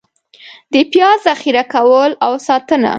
د پیاز ذخېره کول او ساتنه: